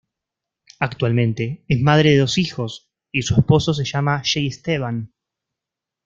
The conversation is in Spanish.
Actualmente es madre de dos hijos y su esposo se llama Jay Esteban.